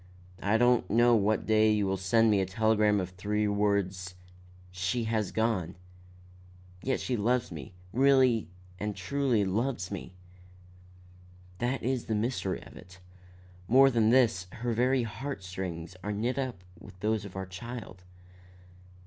I don't know what day you will send me a telegram of three words, 'She has gone.' Yet she loves me, really and truly loves me. That is the mystery of it. More than this, her very heart strings are knit up with those of our child."